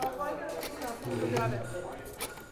Түҙер!